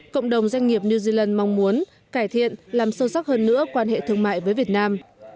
cộng đồng doanh nghiệp new zealand mong muốn cải thiện làm sâu sắc hơn nữa quan hệ thương mại với việt nam